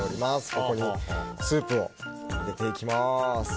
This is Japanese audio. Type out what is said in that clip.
ここにスープを入れていきます。